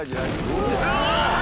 「うわ！」